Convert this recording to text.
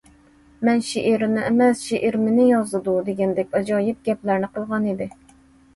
مەن شېئىرنى ئەمەس، شېئىر مېنى يازىدۇ... دېگەندەك ئاجايىپ گەپلەرنى قىلغانىدى.